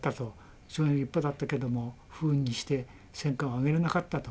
立派だったけども不運にして戦果を上げられなかったと。